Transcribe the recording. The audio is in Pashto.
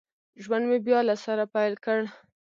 ژوند مې بیا له سره پیل کړ